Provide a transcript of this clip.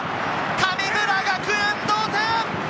神村学園同点！